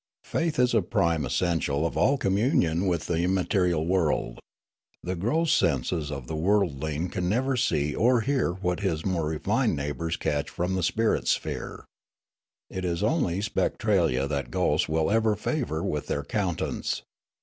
Faith is a prime essential of all communion with the immaterial world. The gross senses of the worldling can never see or hear what his more refined neighbours catch from the spirit sphere. It is only Spectralia that ghosts will ever favour with their countenance.